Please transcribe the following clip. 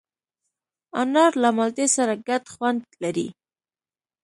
انار له مالټې سره ګډ خوند لري.